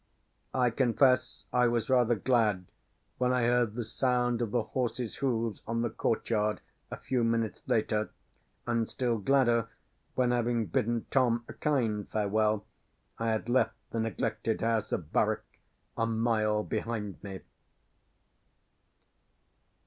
I confess I was rather glad when I heard the sound of the horses' hoofs on the court yard, a few minutes later; and still gladder when, having bidden Tom a kind farewell, I had left the neglected house of Barwyke a mile behind me.